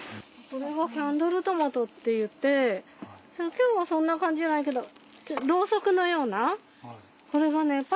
これはキャンドルトマトっていって今日はそんな感じじゃないけどろうそくのようなこれがね